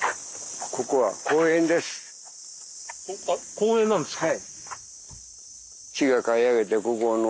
公園なんですか？